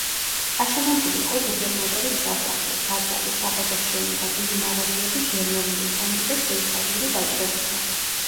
აშენებული იყო გუბერნატორის სასახლე, ტაძარი, საბაჟოს შენობა, დიდი მაღაზიები გერმანელი, ფრანგი და შვეიცარიელი ვაჭრებისა.